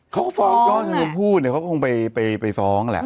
ของชมผู้เนี่ยเขาก็ไปฟ้องแหละ